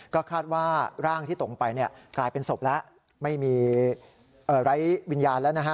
ก็คาดว่าร่างที่ตกไปกลายเป็นศพแล้วไม่มีไร้วิญญาณแล้วนะฮะ